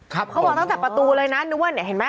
เขาบอกต้องจัดประตูเลยนะนึกว่าเห็นไหม